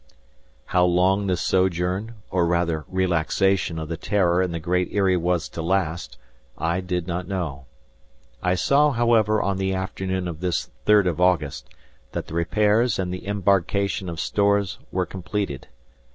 How long this sojourn or rather relaxation of the "Terror" in the Great Eyrie was to last, I did not know. I saw, however, on the afternoon of this third of August that the repairs and the embarkation of stores were completed.